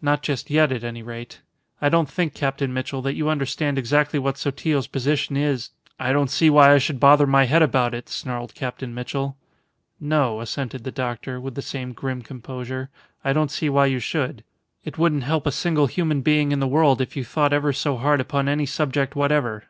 Not just yet, at any rate. I don't think, Captain Mitchell, that you understand exactly what Sotillo's position is " "I don't see why I should bother my head about it," snarled Captain Mitchell. "No," assented the doctor, with the same grim composure. "I don't see why you should. It wouldn't help a single human being in the world if you thought ever so hard upon any subject whatever."